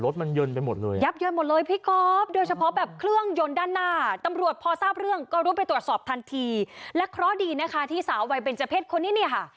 ทีและเพราะดีนะคะที่สาววัยเบนเจอร์เพศคนนี้เนี่ยค่ะ